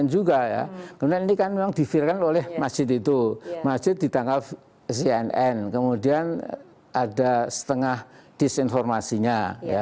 cnn juga ya kemudian ini kan memang divirkan oleh masjid itu masjid ditangkap cnn kemudian ada setengah disinformasinya